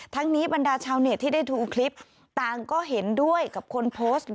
ทั้งนี้บรรดาชาวเน็ตที่ได้ดูคลิปต่างก็เห็นด้วยกับคนโพสต์